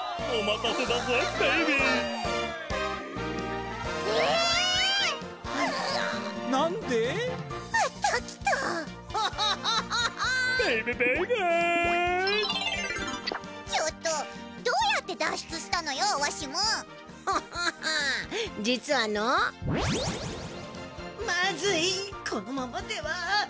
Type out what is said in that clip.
かいそうまずいこのままでは。